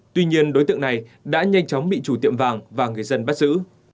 tuy nhiên đối tượng này đã nhanh chóng bị chủ tiệm vàng và người dân bắt giữ